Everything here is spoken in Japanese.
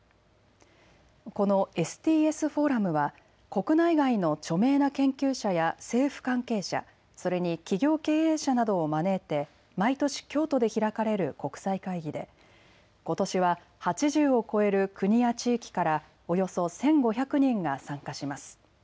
このＳＴＳフォーラムは国内外の著名な研究者や政府関係者、それに企業経営者などを招いて毎年京都で開かれる国際会議でことしは８０を超える国や地域からおよそ１５００人が参加します。